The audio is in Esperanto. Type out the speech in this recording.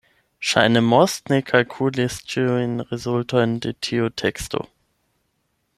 Ŝajne Most ne kalkulis ĉiujn rezultojn de tiu teksto.